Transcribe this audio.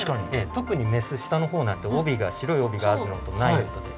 特にメス下の方なんて白い帯があるのとないのとで。